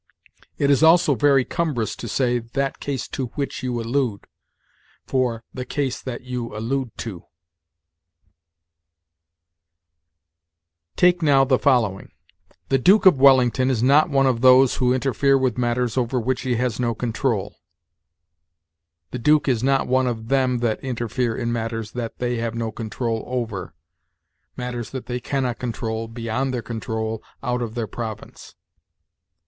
It is also very cumbrous to say 'that case to which you allude' for 'the case (that) you allude to.' "Take now the following: 'The Duke of Wellington is not one of those who interfere with matters over which he has no control': 'the Duke is not one of them that interfere in matters that they have no control over (matters that they can not control, beyond their control, out of their province).'